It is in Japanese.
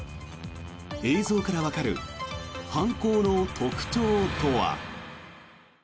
映像からわかる犯行の特徴とは。